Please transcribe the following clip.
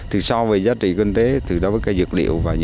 thì so với giá trị kinh tế từ đó với cây dược liệu